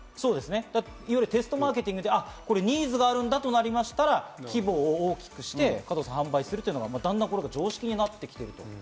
テストマーケティングでこれ、ニーズがあるんだとなりましたが、規模を大きくして、販売するというのがだんだん常識になってきているという。